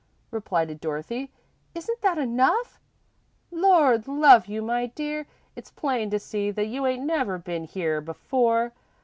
repeated Dorothy. "Isn't that enough?" "Lord love you, my dear, it's plain to be seen that you ain't never been here before.